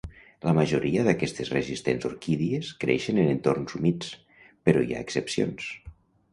La majoria d'aquestes resistents orquídies creixen en entorns humits, però hi ha excepcions.